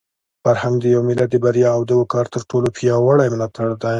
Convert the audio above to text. فرهنګ د یو ملت د بریا او د وقار تر ټولو پیاوړی ملاتړی دی.